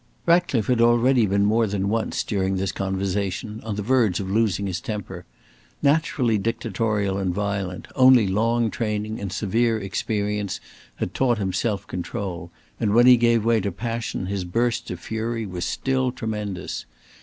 Ratcliffe had already been more than once, during this conversation, on the verge of losing his temper. Naturally dictatorial and violent, only long training and severe experience had taught him self control, and when he gave way to passion his bursts of fury were still tremendous.